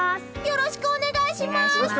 よろしくお願いします！